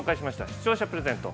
視聴者プレゼント